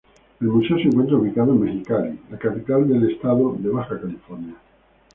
El museo se encuentra ubicado en Mexicali, la capital del Estado de Baja California.